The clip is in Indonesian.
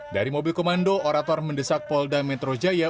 dari mobil komando orator mendesak polda metro jaya